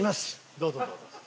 どうぞどうぞ。